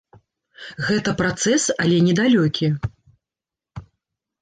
Гэта працэс, але не далёкі.